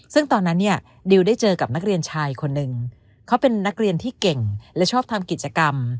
ซึ่งตอนนั้นเนี่ยดิวได้เจอกับนักเรียนชายคนหนึ่งเขาเป็นนักเรียนที่เก่งและชอบทำกิจกรรม